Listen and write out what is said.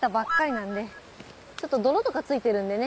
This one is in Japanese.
なんでちょっと泥とか付いてるんでね。